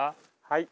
はい。